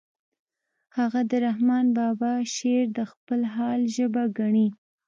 هغه د رحمن بابا شعر د خپل حال ژبه ګڼي